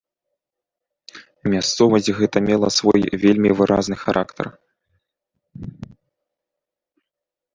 Мясцовасць гэта мела свой вельмі выразны характар.